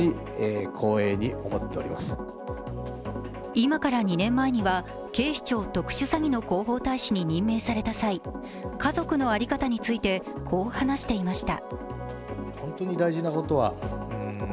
今から２年前には、警視庁・特殊詐欺の広報大使に任命された際、家族の在り方についてこう話していました。